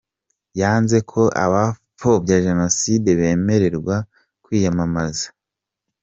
Yanze ko abapfobya Jenoside bemererwa kwiyamamaza.